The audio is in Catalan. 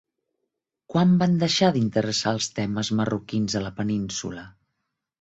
Quan van deixar d'interessar els temes marroquins a la península?